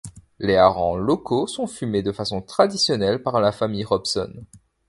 Les harengs locaux sont fumés de façon traditionnelle par la famille Robson.